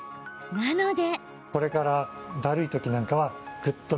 なので。